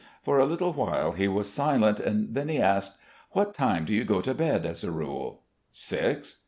For a little while he was silent, then he asked: "What time do you go to bed as a rule?" "Six."